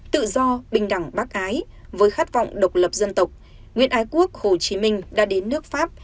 tự do bình đẳng bác ái với khát vọng độc lập dân tộc nguyễn ái quốc hồ chí minh đã đến nước pháp